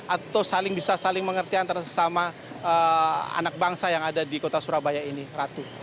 atau saling bisa saling mengerti antara sesama anak bangsa yang ada di kota surabaya ini ratu